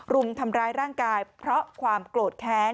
รุมทำร้ายร่างกายเพราะความโกรธแค้น